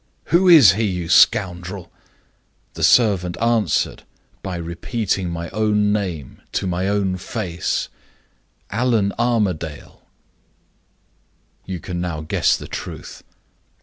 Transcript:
'Who is he, you scoundrel?' The servant answered by repeating my own name, to my own face: 'Allan Armadale.' "You can now guess the truth.